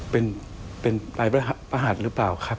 เป็นปลายพระหัสหรือเปล่าครับ